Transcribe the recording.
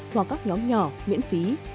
hoặc các nhóm nhỏ miễn phí